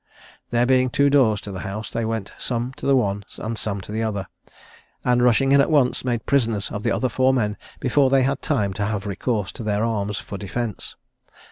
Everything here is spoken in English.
There being two doors to the house, they went some to the one, and some to the other; and rushing in at once made prisoners of the other four men before they had time to have recourse to their arms for defence.